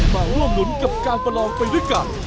มาร่วมหนุนกับการประลองไปด้วยกัน